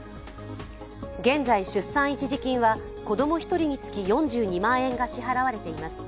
現在、出産一時金は子供１人につき４２万円が支払われています。